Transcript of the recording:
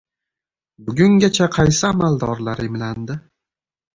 Bugungacha qaysi amaldorlar emlandi?